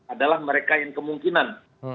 adalah mereka yang kemungkinan